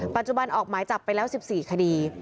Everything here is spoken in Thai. ปัจจุบันออกหมายจับไปแล้ว๑๔คดี